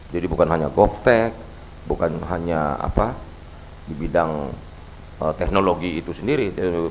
jadi bukan hanya govtech bukan hanya di bidang teknologi itu sendiri